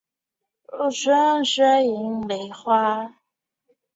宝治元年继承青莲院门迹。